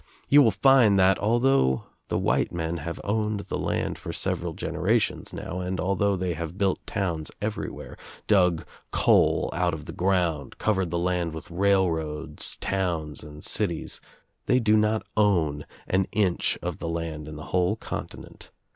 You will find that, although the white men have owned the land for several generations now and although they have built towns everywhere, dug coal out of the ground, cov ered the land with railroads, towns and cities, they do not own an inch of the land in the whole continent.